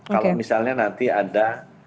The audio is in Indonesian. kalau misalnya nanti ada